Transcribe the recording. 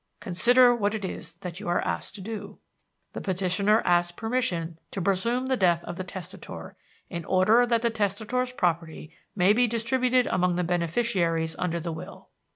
Consider what it is that you are asked to do. "The petitioner asks permission to presume the death of the testator in order that the testator's property may be distributed among the beneficiaries under the will.